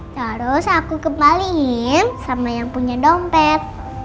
terus aku kembaliin sama yang punya dompet